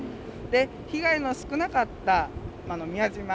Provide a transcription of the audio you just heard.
被害の少なかった宮島。